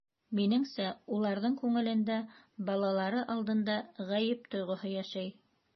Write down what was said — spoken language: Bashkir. Минеңсә, уларҙың күңелендә балалары алдында ғәйеп тойғоһо йәшәй.